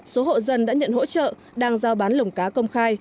số hộ dân đã nhận hỗ trợ đang giao bán lồng cá công khai